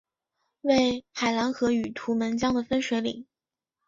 为海兰河与图们江的分水岭。